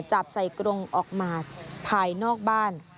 จับใส่กรงออกมาภายนอกบ้าน